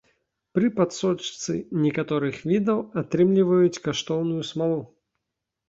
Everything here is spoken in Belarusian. Пры падсочцы некаторых відаў атрымліваюць каштоўную смалу.